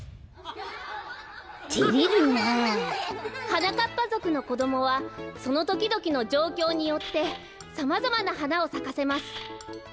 はなかっぱぞくのこどもはそのときどきのじょうきょうによってさまざまなはなをさかせます。